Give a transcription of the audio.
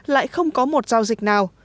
lại không có một giao dịch nào